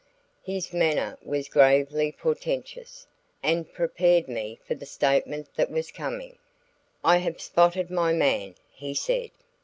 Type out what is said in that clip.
His manner was gravely portentous and prepared me for the statement that was coming. "I have spotted my man," he said.